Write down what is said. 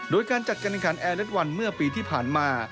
โดยการจัดการแข่งขันแอร์เล็ตวันเมื่อปีที่ผ่านมา